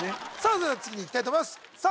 それでは次にいきたいと思いますさあ